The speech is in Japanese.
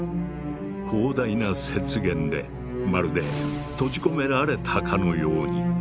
広大な雪原でまるで閉じ込められたかのように。